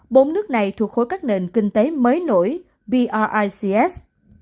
bốn nước này thuộc khối các nền kinh tế mới nổi bics